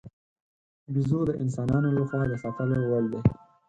بیزو د انسانانو له خوا د ساتلو وړ دی.